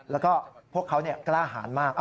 แล้วก็พวกเขากล้าหารมาก